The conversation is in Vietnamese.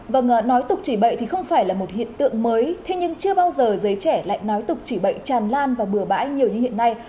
vâng nói tục chỉ vậy thì không phải là một hiện tượng mới thế nhưng chưa bao giờ giới trẻ lại nói tục chỉ bệnh tràn lan và bừa bãi nhiều như hiện nay